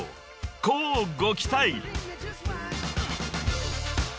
［乞うご期待］